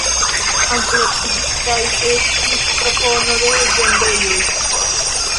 Ampleksigita estis propono de vendejoj.